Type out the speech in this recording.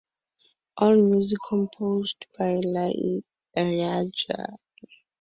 All music composed by Ilaiyaraaja.